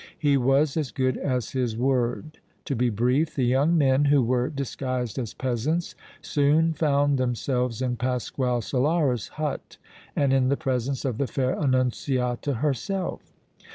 He was as good as his word. To be brief, the young men, who were disguised as peasants, soon found themselves in Pasquale Solara's hut and in the presence of the fair Annunziata herself."